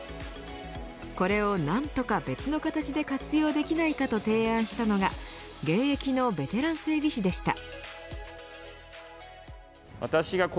これを何とか別の形で活用できないかと提案したのが現役のベテラン整備士でした。